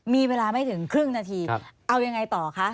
มีเวลาไม่ถึงครึ่งนาทีเอายังไงต่อคะ